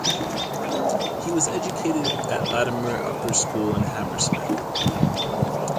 He was educated at Latymer Upper School in Hammersmith.